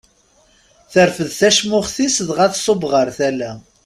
Terfed tacmuxt-is dɣa tṣubb ɣer tala.